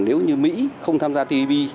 nếu như mỹ không tham gia tpp